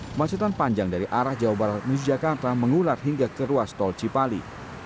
kemacetan panjang dari arah jawa barat menuju jakarta mengular hingga ke ruas tol cipali